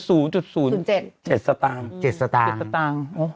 ๗สตางค์